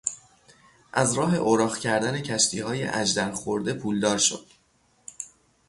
از راه اوراق کردن کشتیهای اژدر خورده پولدار شد.